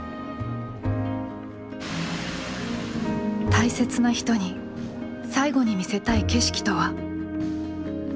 大切な人に最後に見せたい景色とは。